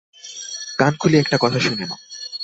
কান খুলে একটা কথা শুনে নাও।